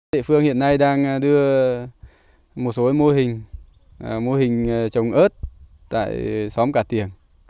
thị phương hiện nay đang đưa một số mô hình mô hình trồng ớt tại xóm cà tiên